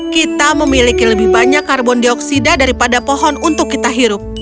kita memiliki lebih banyak karbon dioksida daripada pohon untuk kita hirup